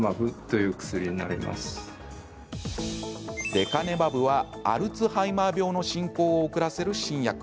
レカネマブはアルツハイマー病の進行を遅らせる新薬。